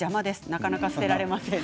なかなか捨てられません。